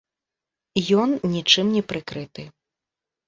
Ён нічым не прыкрыты.